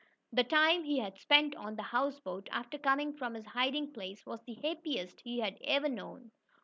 The time he had spent on the houseboat, after coming from his hiding place, was the happiest he had ever known.